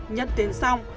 nhân tiền xong